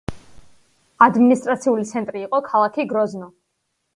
ადმინისტრაციული ცენტრი იყო ქალაქი გროზნო.